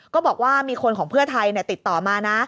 ก็บอกว่ามีคนของเพื่อไทยติดต่อมานะ